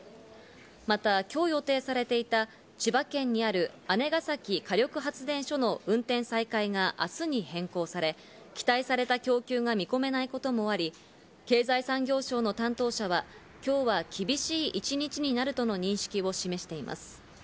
また、今日予定されていた千葉県にある姉崎火力発電所の運転再開が明日に変更され、期待された供給が見込めないこともあり、経済産業省の担当者は、今日は厳しい一日になるとの認識を示しています。